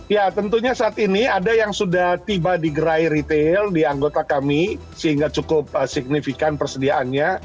ya tentunya saat ini ada yang sudah tiba di gerai retail di anggota kami sehingga cukup signifikan persediaannya